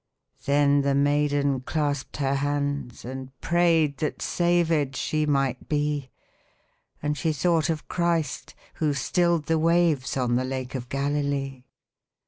Then the maiden clasped her hands and prayed That savèd she might be; And she thought of Christ, who stilled the waves On the Lake of Galilee.